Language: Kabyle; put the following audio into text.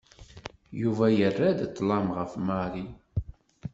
Yuba yerra-d ṭlem ɣef Mary.